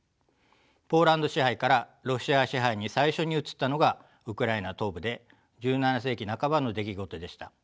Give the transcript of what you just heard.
ポーランド支配からロシア支配に最初に移ったのがウクライナ東部で１７世紀半ばの出来事でした。